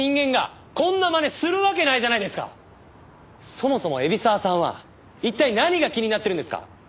そもそも海老沢さんは一体何が気になってるんですか？